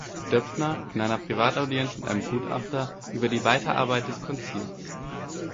Döpfner in einer Privataudienz mit einem Gutachten über die Weiterarbeit des Konzils.